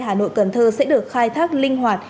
hà nội cần thơ sẽ được khai thác linh hoạt